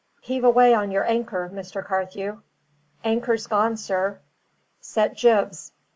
"Heave away on your anchor, Mr. Carthew." "Anchor's gone, sir." "Set jibs."